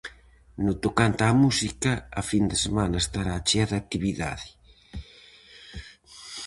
No tocante á música, a fin de semana estará chea de actividade.